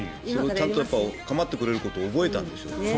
ちゃんと構ってくれることを覚えたんでしょうね。